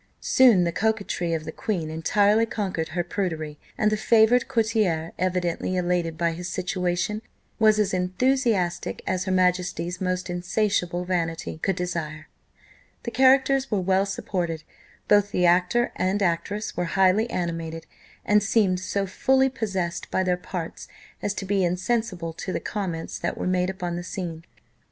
Soon the coquetry of the queen entirely conquered her prudery; and the favoured courtier, evidently elated by his situation, was as enthusiastic as her majesty's most insatiable vanity could desire. The characters were well supported; both the actor and actress were highly animated, and seemed so fully possessed by their parts as to be insensible to the comments that were made upon the scene.